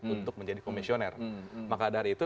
untuk menjadi komisioner maka dari itu